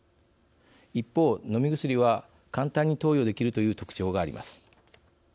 一方、飲み薬は簡単に投与できるという特徴があります。